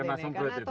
kena semprit itu